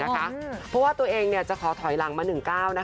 เพราะว่าตัวเองจะขอถอยหลังมา๑๙